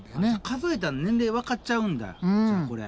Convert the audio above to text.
数えたら年齢わかっちゃうんだじゃあこれ。